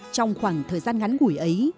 trong khoảng thời gian ngắn ngủi ấy